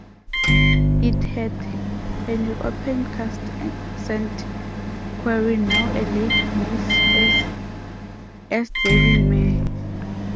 It had an opencast sand quarry, now a lake known as Astbury Mere.